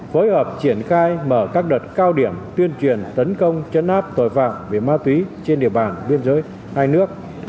phối hợp triển khai mở các đợt cao điểm tuyên truyền tấn công chấn áp tội phạm về ma túy trên địa bàn biên giới hai nước